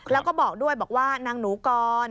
แล้วก็บอกด้วยบอกว่านางหนูกร